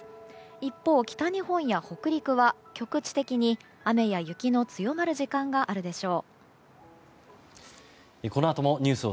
一方、北日本や北陸は局地的に雨や雪の強まる時間があるでしょう。